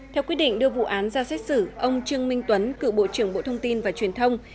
theo quyết định đưa vụ án ra xét xử ông trương minh tuấn cựu bộ trưởng bộ thông tin và truyền thông